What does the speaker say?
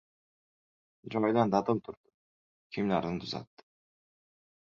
Joyidan dadil turdi. Kiyimlarini tuzatdi.